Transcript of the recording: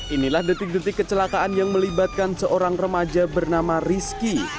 inilah detik detik kecelakaan yang melibatkan seorang remaja bernama rizky